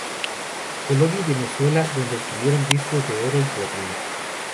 Colombia y Venezuela, donde obtuvieron "Discos de Oro" y "Platino".